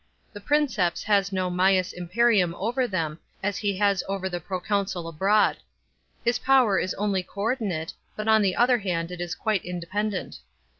The Princeps has no mains imperium over them, as he has over the proconsul abroad. His power is only co ordinate, but on the other hand it is quite independent.